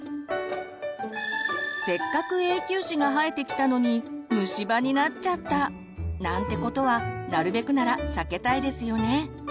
せっかく永久歯が生えてきたのに虫歯になっちゃった！なんてことはなるべくなら避けたいですよね。